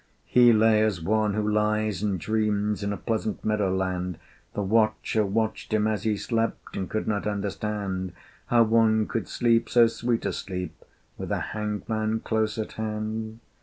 He lay as one who lies and dreams In a pleasant meadow land, The watcher watched him as he slept, And could not understand How one could sleep so sweet a sleep With a hangman close at hand?